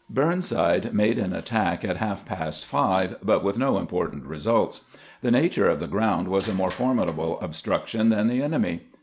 Burnside made an attack at half past five, but with no important results. The nature of the ground was a more formidable obstruction than the enemy.